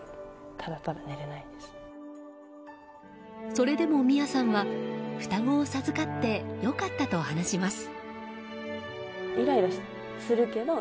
それでも美弥さんは双子を授かってよかったと話します。